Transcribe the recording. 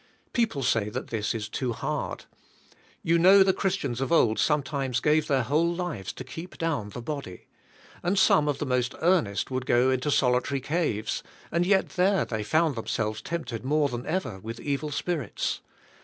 People say that this is too hard. You know the Christians of old sometimes gave their whole lives to keep down the body; and some of the most earnest would go into solitary caves, and yet there they found themselves tempted more than ever with evil spirits.